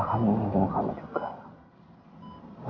bapak minji dan bapak kamu ingin menunggu kamu juga